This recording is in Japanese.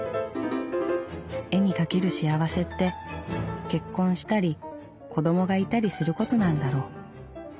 絵に描ける幸せって結婚したり子供がいたりすることなんだろう。